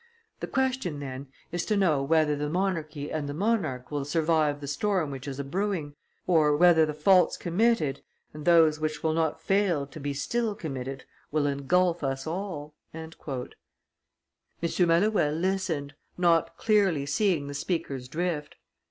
The question, then, is to know whether the monarchy and the monarch will survive the storm which is a brewing, or whether the faults committed and those which will not fail to be still committed will ingulf us all." M. Malouet listened, not clearly seeing the speaker's drift.